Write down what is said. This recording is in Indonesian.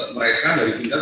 mereka dari pinggat